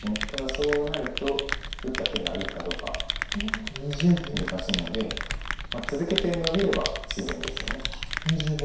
ただそうなると打った手がいいかどうか難しいので続けてノビれば自然ですよね。